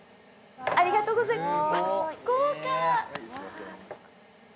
ありがとうございます。